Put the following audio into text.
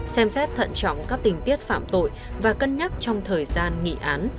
xem xét thận trọng các tình tiết phạm tội và cân nhắc trong thời gian nghị án